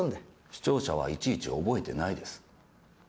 視聴者はいちいち覚えてないです。